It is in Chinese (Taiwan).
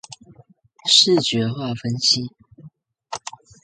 視覺化分析